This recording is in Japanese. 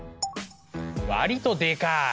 割とでかい。